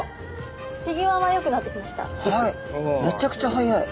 めちゃくちゃ速い。